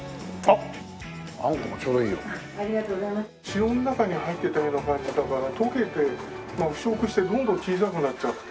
塩の中に入ってたような感じだから溶けて腐食してどんどん小さくなっちゃって。